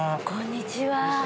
こんにちは。